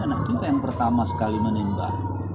anak kita yang pertama sekali menembak